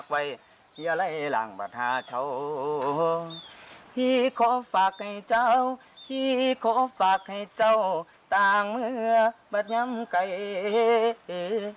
หลังพี่ขอฝากให้เจ้าที่ขอฝากให้เจ้าต่างเมื่อมัดย้ำไก่เอ